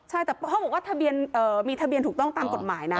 ใช่แต่พ่อบอกว่ามีทะเบียนถูกต้องตามกฎหมายนะ